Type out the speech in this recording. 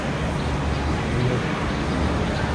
لږ